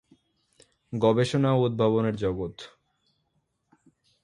গবেষণা ও উদ্ভাবনের জগৎ।